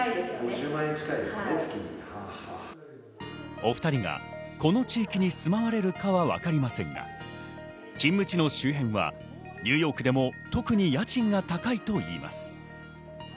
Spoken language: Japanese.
お２人がこの地域に住まわれるかはわかりませんが勤務地の周辺はニューヨークでも特に家賃が高いといいます。